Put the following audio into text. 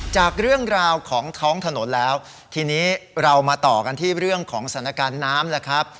จากเรื่องราวของท้องถนนแล้วทีนี้เรามาต่อกันที่เรื่องของสถานการณ์น้ำแล้วครับ